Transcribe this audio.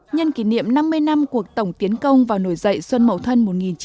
nhân kỷ niệm năm mươi năm cuộc tổng tiến công vào nổi dậy xuân mậu thân một nghìn chín trăm sáu mươi tám